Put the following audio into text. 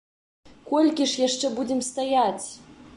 Колькі ж яшчэ будзем стаяць?